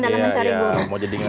dalam mencari guru